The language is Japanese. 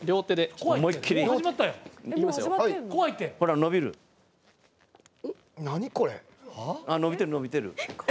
伸びてる伸びてる。